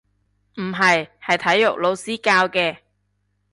唔係，係體育老師教嘅